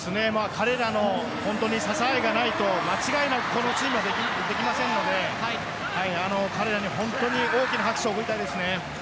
彼らの支えがないと間違いなくこのチームはできませんので彼らに本当に大きな拍手を送りたいです。